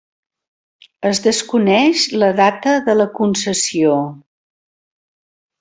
Es desconeix la data de la concessió.